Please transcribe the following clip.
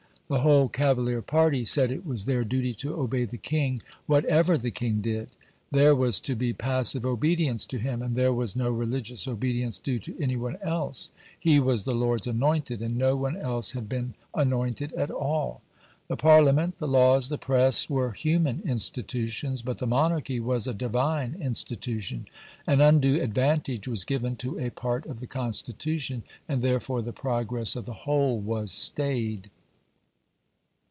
The whole cavalier party said it was their duty to obey the king, whatever the king did. There was to be "passive obedience" to him, and there was no religious obedience due to any one else. He was the "Lord's anointed," and no one else had been anointed at all. The Parliament, the laws, the press were human institutions; but the Monarchy was a Divine institution. An undue advantage was given to a part of the Constitution, and therefore the progress of the whole was stayed.